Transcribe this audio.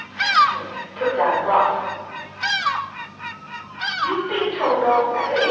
Psmith put down the glass. 'You have been told already?'